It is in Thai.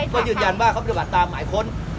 ก็ยืนยันว่าเขาปฏิบัติตามหมายค้น